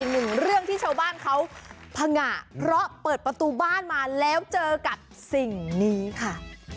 หนึ่งเรื่องที่ชาวบ้านเขาพังงะเพราะเปิดประตูบ้านมาแล้วเจอกับสิ่งนี้ค่ะ